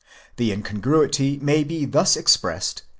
The incongruity may be thus expressed.